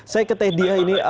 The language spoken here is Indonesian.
saya ke teh diah ini